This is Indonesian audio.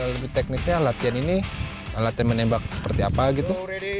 lebih teknisnya latihan ini latihan menembak seperti apa gitu